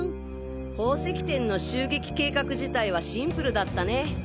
宝石店の襲撃計画自体はシンプルだったね。